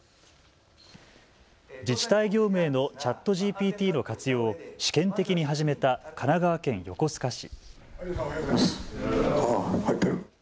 自治体業務へのＣｈａｔＧＰＴの活用を試験的に始めた神奈川県横須賀市。